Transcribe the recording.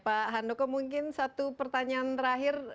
pak handoko mungkin satu pertanyaan terakhir